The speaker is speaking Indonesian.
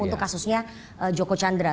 untuk kasusnya joko chandra